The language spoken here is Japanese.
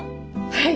はい！